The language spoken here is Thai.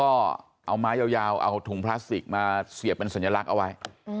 ก็เอาไม้ยาวเอาถุงพลาสติกมาเสียบเป็นสัญลักษณ์เอาไว้